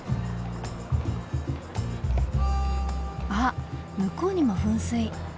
あっ向こうにも噴水。